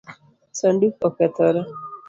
Sanduk okethore?